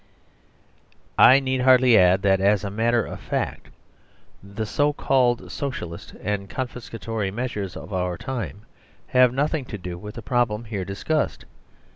I need hardly add that as a matter of fact the so called " Socialist " and confiscatory measures of our time have nothing to do with the problem here discussed.